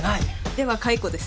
では解雇です。